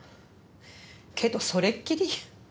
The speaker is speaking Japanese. けどそれっきり。